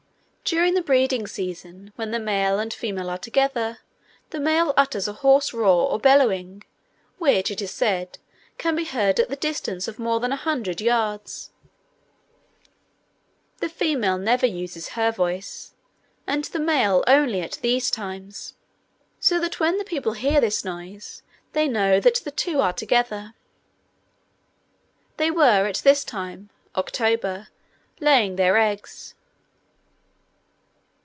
During the breeding season, when the male and female are together, the male utters a hoarse roar or bellowing, which, it is said, can be heard at the distance of more than a hundred yards. The female never uses her voice, and the male only at these times; so that when the people hear this noise, they know that the two are together. They were at this time (October) laying their eggs.